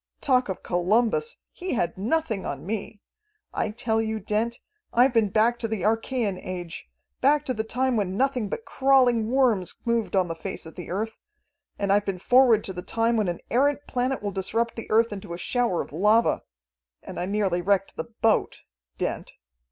Talk of Columbus! he had nothing on me. I tell you, Dent, I've been back to the Archaean Age, back to the time when nothing but crawling worms moved on the face of the earth. And I've been forward to the time when an errant planet will disrupt the earth into a shower of lava and I nearly wrecked the boat. Dent.